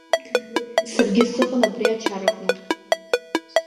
Саргьы сыҟан абри ачараҟны.